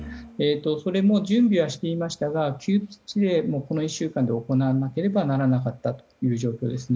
それも、準備はしていましたが急ピッチでこの１週間で行わなければならなかったという状況ですね。